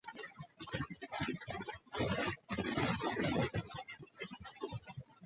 শুরু হল হাওড়া ষড়যন্ত্র মামলা।